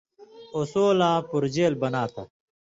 اصولاں پورژیل بناں تھہ